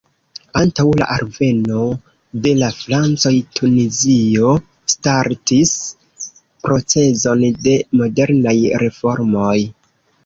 Antaŭ la alveno de la francoj, Tunizio startis procezon de modernaj reformoj.